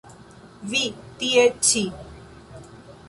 Vi, tie ĉi!